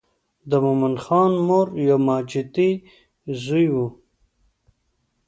د مومن خان مور یو ماجتي زوی و.